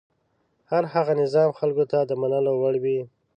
هر هغه نظام خلکو ته د منلو وړ وي.